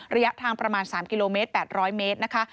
ระยะทางประมาณ๓กิโลเมตร๘๐๐เมตรนะคะ